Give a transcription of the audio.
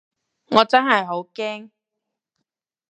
我真係好驚